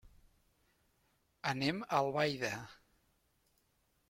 Anem a Albaida.